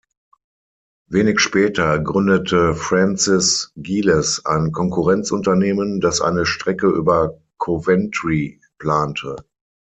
Wenig später gründete Francis Giles ein Konkurrenzunternehmen, das eine Strecke über Coventry plante.